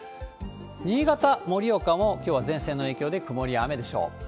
新潟、盛岡も、きょうは前線の影響で曇りや雨でしょう。